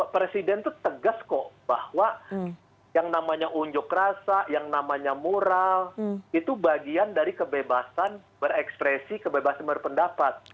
presiden itu tegas kok bahwa yang namanya unjuk rasa yang namanya moral itu bagian dari kebebasan berekspresi kebebasan berpendapat